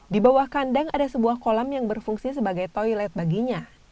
di bawah kandang ada sebuah kolam yang berfungsi sebagai toilet baginya